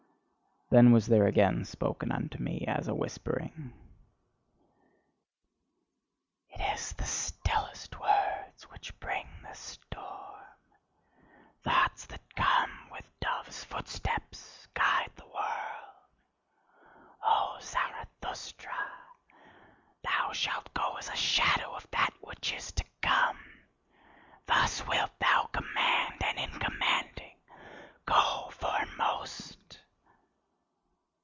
Then was there again spoken unto me as a whispering: "It is the stillest words which bring the storm. Thoughts that come with doves' footsteps guide the world. O Zarathustra, thou shalt go as a shadow of that which is to come: thus wilt thou command, and in commanding go foremost."